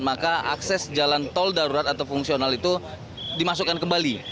maka akses jalan tol darurat atau fungsional itu dimasukkan kembali